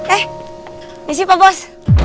eh isi pak bos